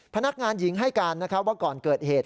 พนักงานหญิงให้การนะครับว่าก่อนเกิดเหตุ